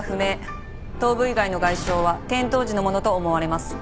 頭部以外の外傷は転倒時のものと思われます。